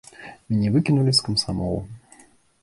Мяне выкінулі з камсамола.